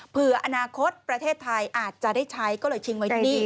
อนาคตประเทศไทยอาจจะได้ใช้ก็เลยทิ้งไว้ที่นี่